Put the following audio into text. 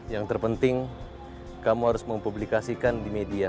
yang terpenting kamu harus mempublikasikan di media